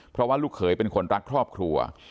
เพราะว่าลูกเขยเป็นคนรักครอบครัว